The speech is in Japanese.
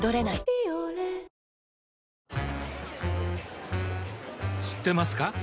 「ビオレ」知ってますか？